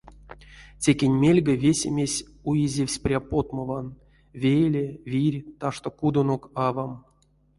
Текень мельга весемесь уезевсь пря потмован: веле, вирь, ташто кудонок, авам.